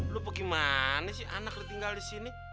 lu gimana sih anaknya tinggal di sini